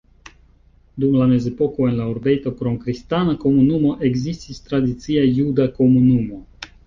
Dum la mezepoko en la urbeto krom kristana komunumo ekzistis tradicia juda komunumo.